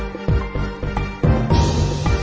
กินโทษส่องแล้วอย่างนี้ก็ได้